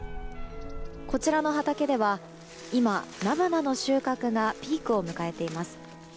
こちらの畑では今、菜花の収穫がピークを迎えています。